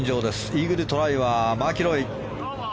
イーグルトライ、マキロイ。